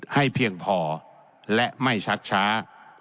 ให้เพียงพอและไม่ชักช้า